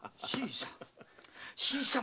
新さん。